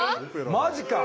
マジか。